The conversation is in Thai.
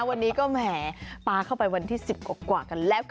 วันนี้ก็แหมปลาเข้าไปวันที่๑๐กว่ากันแล้ว